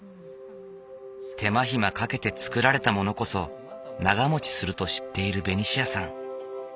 手間暇かけて作られたものこそ長もちすると知っているベニシアさん。